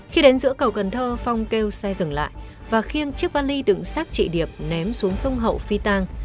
khi đến giữa cầu cần thơ phong kêu xe dừng lại và khiêng chiếc vali đựng sát chị điệp ném xuống sông hậu phi tàng